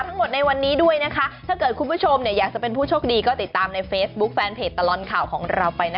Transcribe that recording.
เพราะว่าเรายางกลิ้งใช่ไหมคะใช่ค่ะเขย่าให้เกิดเสียงกลิ่งครับอ้า